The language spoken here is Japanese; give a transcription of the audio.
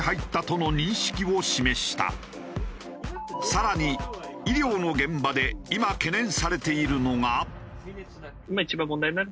さらに医療の現場で今懸念されているのが。